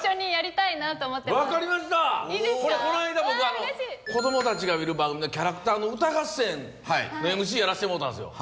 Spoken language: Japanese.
分かりましたこれこの間僕子供たちがいる番組のキャラクターの歌合戦のＭＣやらせてもうたんですよ。